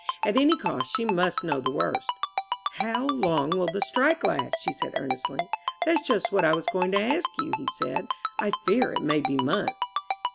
At any cost she must know the worst. "How long will the strike last?" she said earnestly. "That's just what I was going to ask you," he said. "I fear it may be months."